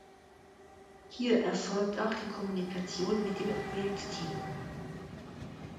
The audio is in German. Hier erfolgt auch die Kommunikation mit dem Projektteam.